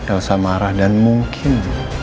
elsa marah dan mungkin